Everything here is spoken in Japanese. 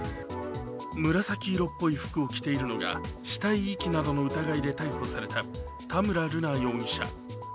紫色っぽい服を着ているのが死体遺棄などの疑いで逮捕された田村瑠奈容疑者。